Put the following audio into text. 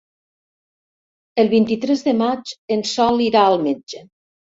El vint-i-tres de maig en Sol irà al metge.